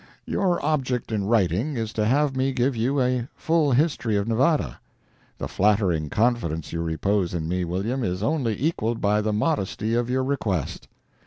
Your object in writing is to have me give you a full history of Nevada. The flattering confidence you repose in me, William, is only equalled by the modesty of your request.